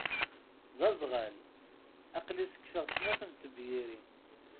D azɣal. Aqli sekkfeɣ snat n tebyirin!